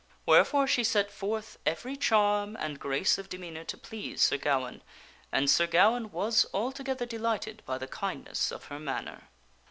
Wherefore she set forth every charm and grace of demeanor to please Sir Gawaine, and Sir Gawaine was altogether delighted by the kindness of her manner.